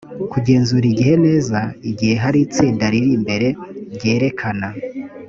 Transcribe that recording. kugenzura igihe neza igihe hari itsinda riri imbere ryerekana